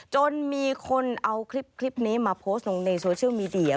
จนมีคนเอาคลิปนี้มาโพสต์ลงในโซเชียลมีเดีย